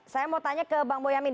saya mau tanya ke bang boyamin